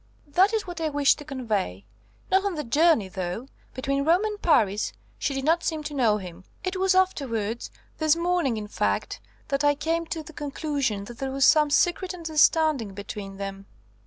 "That is what I wish to convey. Not on the journey, though. Between Rome and Paris she did not seem to know him. It was afterwards; this morning, in fact, that I came to the conclusion that there was some secret understanding between them."